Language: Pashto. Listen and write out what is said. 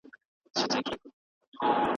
که میندې د بشری حقونو فعالې وي نو ظلم به نه وي.